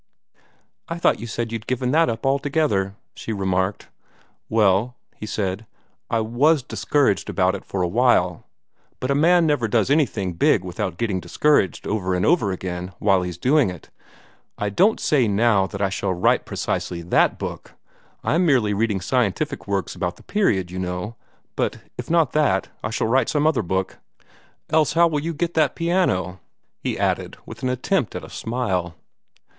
"I thought you said you'd given that up altogether," she remarked. "Well," he said, "I WAS discouraged about it for a while. But a man never does anything big without getting discouraged over and over again while he's doing it. I don't say now that I shall write precisely THAT book I'm merely reading scientific works about the period, just now but if not that, I shall write some other book. Else how will you get that piano?" he added, with an attempt at a smile.